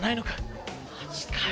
マジかよ